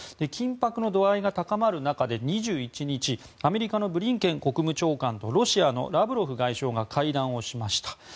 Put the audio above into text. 緊迫の度合いが高まる中で２１日アメリカのブリンケン国務長官とロシアのラブロフ外相が会談をしました。